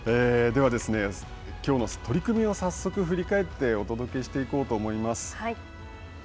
では、きょうの取組を早速、振り返ってお届けしていこうと思います。